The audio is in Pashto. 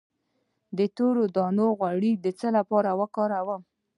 د تورې دانې غوړي د څه لپاره وکاروم؟